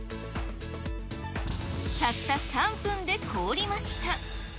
たった３分で凍りました。